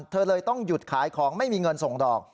เธอเลยต้องหยุดขายของไม่มีเงินส่งดอก